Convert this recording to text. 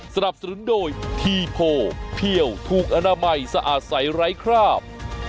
สนับสนุนโดยทีโพเพี่ยวถูกอนามัยสะอาดใสไร้คราบ